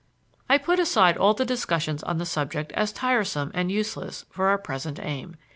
I put aside all the discussions on the subject as tiresome and useless for our present aim.